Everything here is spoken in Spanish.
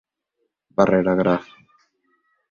Barrera Graf.